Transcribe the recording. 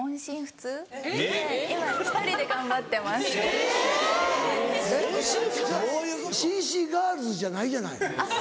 えっじゃあ「Ｃ．Ｃ．ガールズ」じゃないじゃない。